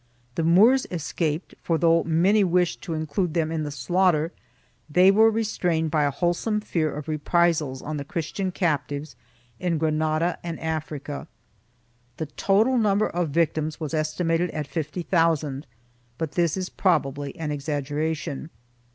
The Moors escaped, for though many wished to include them in the slaughter, they were restrained by a wholesome fear of reprisals on the Christian cap tives in Granada and Africa. The total number of victims was estimated at fifty thousand, but this is probably an exaggeration.